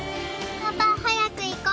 パパ早く行こう。